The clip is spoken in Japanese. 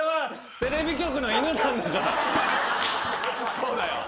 そうだよ。